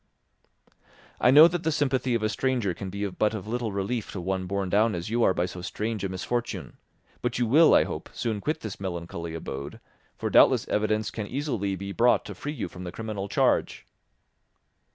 "I know that the sympathy of a stranger can be but of little relief to one borne down as you are by so strange a misfortune. But you will, I hope, soon quit this melancholy abode, for doubtless evidence can easily be brought to free you from the criminal charge."